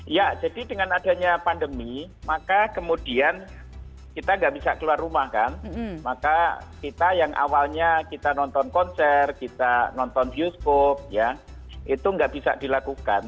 ya jadi dengan adanya pandemi maka kemudian kita nggak bisa keluar rumah kan maka kita yang awalnya kita nonton konser kita nonton bioskop ya itu nggak bisa dilakukan